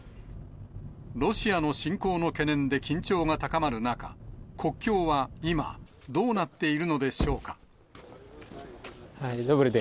ロシアの侵攻の懸念で緊張が高まる中、国境は今、どうなっているのでしょうか。